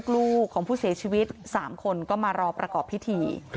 ลูกของผู้เสียชีวิต๓คนก็มารอประกอบพิธี